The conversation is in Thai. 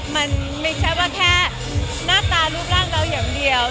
มันไม่ใช่เหลือที่แค่หน้าตารูปร่างเหมือนเดียว